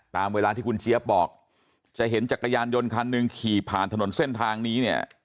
ตามเวลาที่คุณเจี๊ยบบอกจะเห็นจักรยานยนต์คันหนึ่งขี่ผ่านถนนเส้นทางนี้เนี่ย